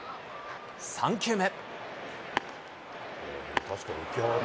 ３球目。